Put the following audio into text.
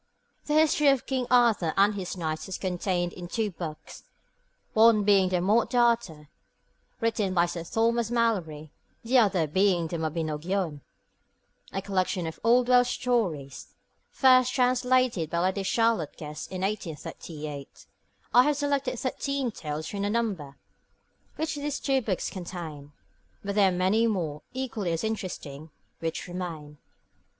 The history of King Arthur and his Knights is contained in two books, one being the Morte D'Arthur, written by Sir Thomas Malory, the other being the Mabinogion, a collection of old Welsh stories, first translated by Lady Charlotte Guest in 1838. I have selected thirteen tales from the number which these two books contain; but there are many more, equally as interesting, which remain.